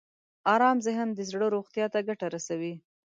ارام ذهن د زړه روغتیا ته ګټه رسوي.